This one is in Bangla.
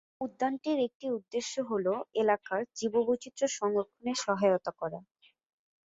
উদ্যানটির একটি উদ্দেশ্য হ'ল এলাকার জীববৈচিত্র্য সংরক্ষণে সহায়তা করা।